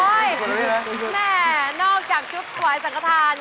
เชิญค่ะโอ๊ยแม่นอกจากชุดสวายสังฆาธาน